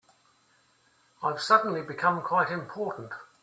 I've suddenly become quite important.